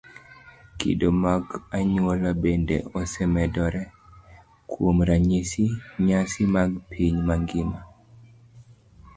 Kido mag anyuola bende osemedore. Kuom ranyisi, nyasi mag piny mangima